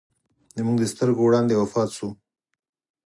زموږ د سترګو وړاندې وفات سو.